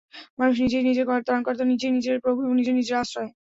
মানুষ নিজেই নিজের ত্রাণকর্তা, নিজেই নিজের প্রভু এবং নিজেই নিজের আশ্রয়।